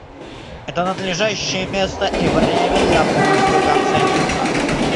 Это надлежащее место и время для поиска консенсуса.